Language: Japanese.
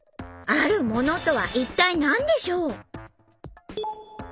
あるものとは一体何でしょう？